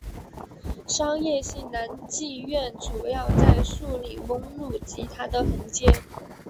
商业性的男妓院主要在素里翁路及它的横街。